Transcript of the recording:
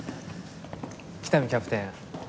喜多見キャプテン